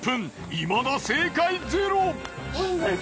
いまだ正解ゼロ。